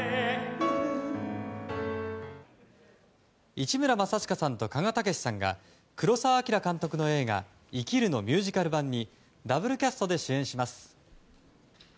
市村正親さんと鹿賀丈史さんが黒澤明監督の映画「生きる」のミュージカル版にダブルキャストで主演します。